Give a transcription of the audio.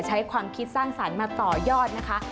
ใช้ความคิดสร้างสรรค์มาต่อยอดนะคะ